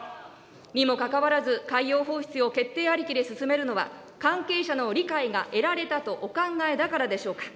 にもかかわらず、海洋放出を決定ありきで進めるのは、関係者の理解が得られたとお考えだからでしょうか。